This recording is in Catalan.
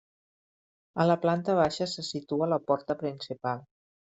A la planta baixa se situa la porta principal.